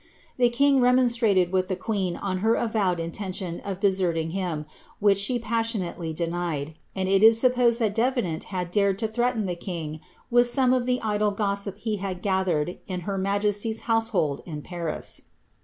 * The king remonstrated with the queen ob lier avowei) intention of deserting him, which she passionately denied) and it is supposed that Davenant liad dared to threaten the king with some of the idle gossip he had gathered in her majesty's household ii Paris.